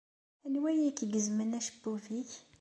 Anwa ay ak-igezmen acebbub-nnek?